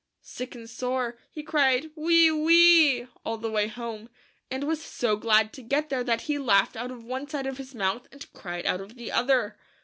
Sick and sore, he cried "Wee! wee!" all the way home, and was so glad to get there that he laughed out of one side of his mouth, and cried out of the other.